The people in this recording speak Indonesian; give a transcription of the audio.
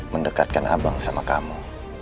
mendekatkan abang sama kamu